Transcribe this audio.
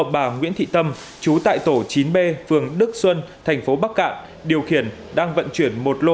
bà nguyễn thị tâm chú tại tổ chín b phường đức xuân thành phố bắc cạn điều khiển đang vận chuyển một lô